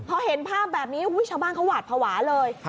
พอเห็นภาพแบบนี้ชาวบ้านเขาหวาดภาวะเลย